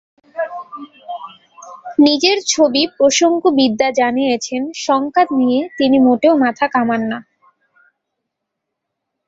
নিজের ছবি প্রসঙ্গ বিদ্যা জানিয়েছেন, সংখ্যা নিয়ে তিনি মোটেও মাথা ঘামান না।